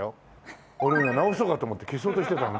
俺ね直そうかと思って消そうとしてたの。